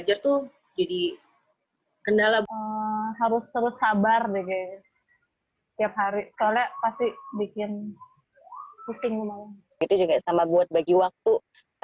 jadi kan harus kita yang ngajarin nih